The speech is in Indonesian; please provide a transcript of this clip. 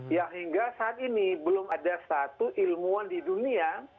yang hingga saat ini belum ada satu ilmuwan di dunia